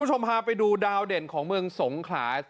คุณผู้ชมพาไปดูดาวเด่นของเมืองสงขลา